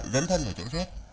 dấn thân vào chương trình